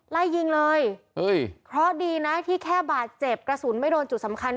ไล่ยิงเลยเพราะดีนะที่แค่บาดเจ็บกระสุนไม่โดนจุดสำคัญ